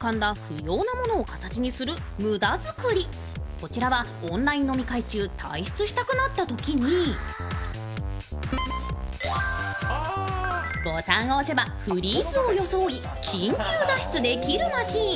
こちらは、オンライン飲み会中、退室したくなったときにボタンを押せばフリーズを装い、緊急脱出できるマシーン。